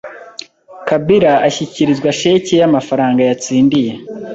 Kabila ashyikirizwa sheki y'amafaranga yatsindiye